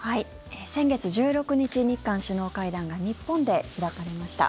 先月１６日日韓首脳会談が日本で開かれました。